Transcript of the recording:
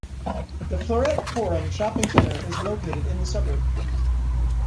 The Floreat Forum shopping centre is located in the suburb.